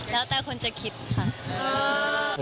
แล้วแต่คนจะคิดค่ะ